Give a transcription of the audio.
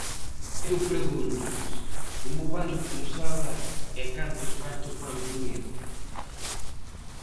Eu pregúntolles: ¿como van impulsala e cantos cartos van poñer?